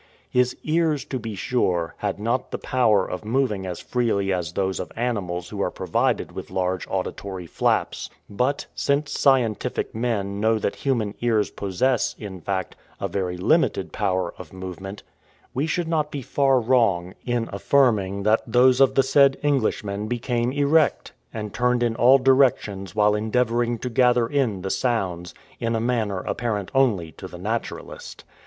His ears, to be sure, had not the power of moving as freely as those of animals who are provided with large auditory flaps; but, since scientific men know that human ears possess, in fact, a very limited power of movement, we should not be far wrong in affirming that those of the said Englishman became erect, and turned in all directions while endeavoring to gather in the sounds, in a manner apparent only to the naturalist.